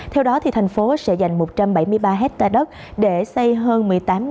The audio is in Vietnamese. theo đó tp sẽ dành một trăm bảy mươi ba hectare đất để xây hơn một mươi tám